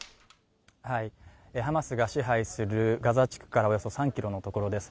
ハマスが支配するガザ地区からおよそ３ｋｍのところです。